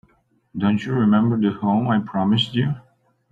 Don't you remember the home I promised you?